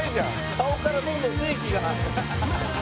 顔からどんどん生気が。